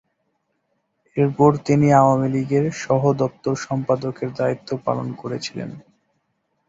এরপর তিনি আওয়ামীলীগের সহ দপ্তর সম্পাদকের দায়িত্ব পালন করেছিলেন।